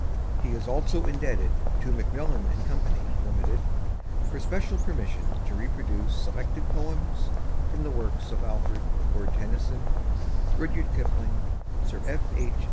He is also indebted to Macmillan & Co., Limited, for special permission to reproduce selected poems from the works of Alfred, Lord Tennyson, Rudyard Kipling, Sir F. H.